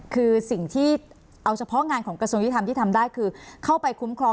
คือสิ่งที่เอาเฉพาะงานของกระทรวงยุทธรรมที่ทำได้คือเข้าไปคุ้มครอง